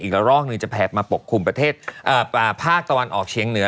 อีกละรอกหนึ่งจะแผดมาปกคลุมประเทศภาคตะวันออกเชียงเหนือ